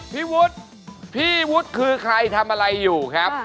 พี่นี่ครั้งแรก